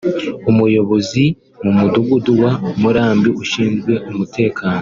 umuyobozi mu mudugudu wa Murambi ushinzwe umutekano